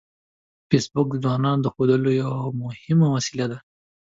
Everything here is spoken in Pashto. فېسبوک د ځوانانو د ښودلو یوه مهمه وسیله ده